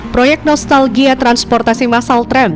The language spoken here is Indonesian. proyek nostalgia transportasi masal tren